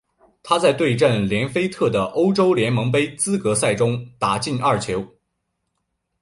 他在对阵连菲特的欧洲联盟杯资格赛中打进二球。